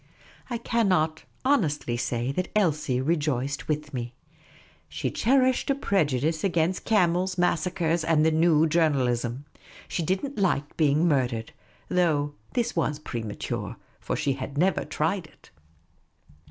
I cannot honestly say that Elsie rejoiced with me. She cherished a prejudice against camels, massacres, and the new journalism. She did n't like being murdered; though this was premature, for she had never tried it.